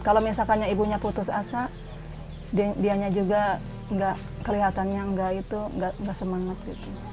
kalau misalkan ibunya putus asa dianya juga kelihatannya enggak semangat